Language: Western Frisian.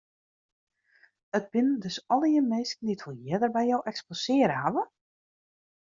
It binne dus allegear minsken dy't wol earder by jo eksposearre hawwe?